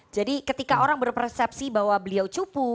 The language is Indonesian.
jadi ketika orang berpersepsi bahwa beliau cupu